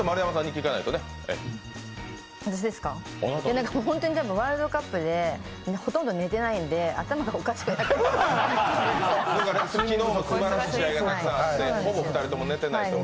私ですか、本当にワールドカップでほとんど寝てないんで頭おかしくなって。